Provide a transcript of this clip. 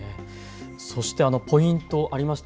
そしてポイントにありました